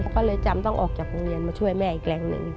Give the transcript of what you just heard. เขาจำต้องออกจากโรงนี้มาช่วยแม่อีกแหลวหนึ่ง